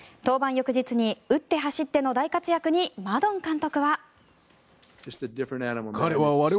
翌日に打って走っての大活躍にマドン監督は。